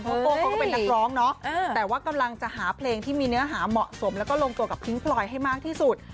เพราะโก้เขาก็เป็นนักร้องเนาะแต่ว่ากำลังจะหาเพลงที่มีเนื้อหาเหมาะสมแล้วก็ลงตัวกับพิ้งพลอยให้มากที่สุด